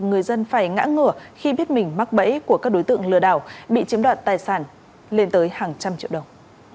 người dân phải ngã ngửa khi biết mình mắc bẫy của các đối tượng lừa đảo bị chiếm đoạt tài sản lên tới hàng trăm triệu đồng